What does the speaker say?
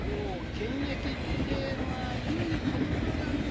現役ってえのはいい言葉だねえ。